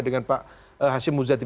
dengan pak hashim muzadzim